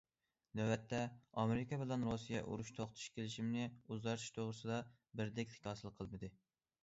نۆۋەتتە ئامېرىكا بىلەن رۇسىيە ئۇرۇش توختىتىش كېلىشىمىنى ئۇزارتىش توغرىسىدا بىردەكلىك ھاسىل قىلمىدى.